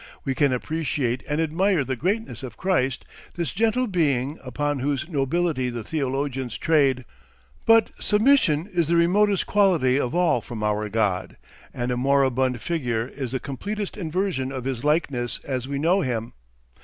We can appreciate and admire the greatness of Christ, this gentle being upon whose nobility the theologians trade. But submission is the remotest quality of all from our God, and a moribund figure is the completest inversion of his likeness as we know him.